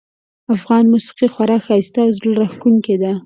افغانه موسیقي خورا ښایسته او زړه راښکونکې ده